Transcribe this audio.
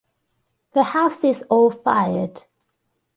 The house is all fired.